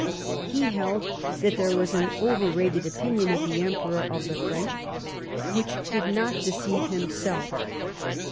He held that there was an overrated opinion of the Emperor of the French which did not deceive himself.